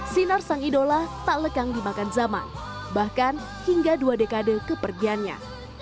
sinar sang idola tak lekang dimakan zaman bahkan hingga dua dekade kepergiannya